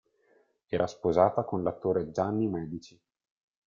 Era sposata con l'attore Gianni Medici.